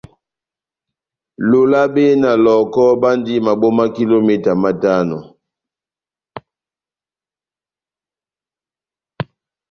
Lolabe na Lɔhɔkɔ bandi maboma kilometa matano.